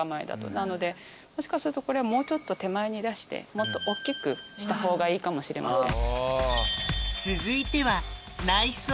なのでもしかするともうちょっと手前に出してもっと大きくしたほうがいいかもしれません。